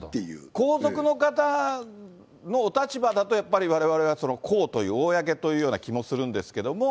皇族の方のお立場だとやっぱりわれわれは公という、おおやけという気もするんですけれども。